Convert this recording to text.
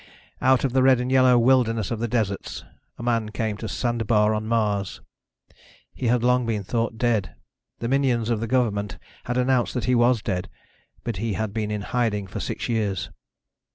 Out of the red and yellow wilderness of the deserts, a man came to Sandebar on Mars. He had long been thought dead. The minions of the government had announced that he was dead. But he had been in hiding for six years.